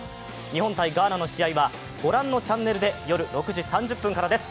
日本対ガーナの試合は御覧のチャンネルで夜６時３０分からです。